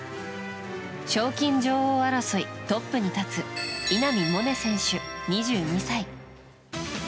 賞金女王争いトップに立つ稲見萌寧選手、２２歳。